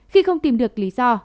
khi không tìm được lý do